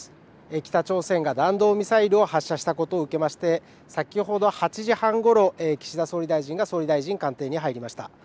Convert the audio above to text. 北朝鮮が弾道ミサイルを発射したことを受けまして先ほど８時半ごろ岸田総理大臣が総理大臣官邸に入りました。